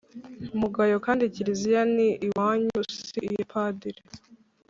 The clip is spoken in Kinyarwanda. mugayo kandi kiliziya ni iyanyu si iya padiri.